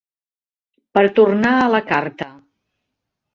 Per tornar a la carta.